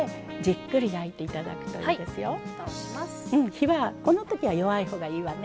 火はこの時は弱い方がいいわね。